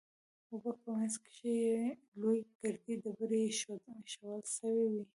او په منځ کښې يې لويې ګردې ډبرې ايښوول سوې وې.